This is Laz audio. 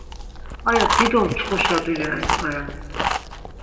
Aya dido mçxuşa dulya iqveren.